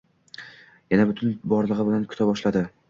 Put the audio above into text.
Yana butun borlig`i bilan kuta boshladi